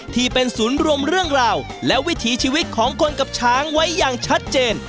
ที่เป็นศูนย์รวมเรื่องราวและวิถีชีวิตของคนกับช้างไว้อย่างชัดเจน